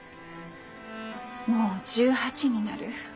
もう１８になる。